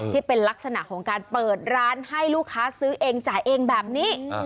ที่เป็นลักษณะของการเปิดร้านให้ลูกค้าซื้อเองจ่ายเองแบบนี้